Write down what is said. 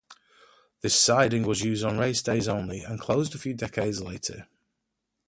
This siding was used on race days only and closed a few decades later.